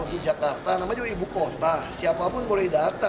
untuk jakarta namanya juga ibu kota siapapun boleh datang